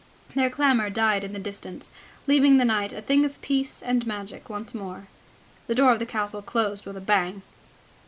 Their clamour died in the distance, leaving the night a thing of peace and magic once more. The door of the castle closed with a bang.